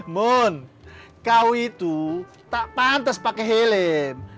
mun kau itu tak pantas pake helm